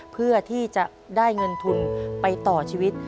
เพื่อที่จะได้เงินทุนไปต่อชีวิต